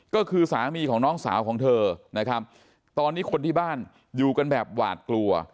ก็คือสามีของน้องสาวของเธอนะครับตอนนี้คนที่บ้านอยู่กันแบบหวาดกลัว